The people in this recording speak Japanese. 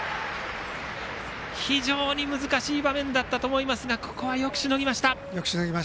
非常に難しい場面だったと思いますがここはよくしのぎました。